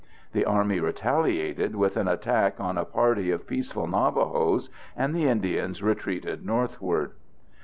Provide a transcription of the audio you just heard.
The Army retaliated with an attack on a party of peaceful Navajos, and the Indians retreated northward.